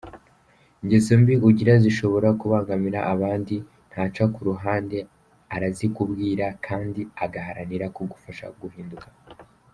Ingeso mbi ugira zishobora kubangamira abandi ntaca kuruhande arazikubwira kandi agaharanira kugufasha guhinduka.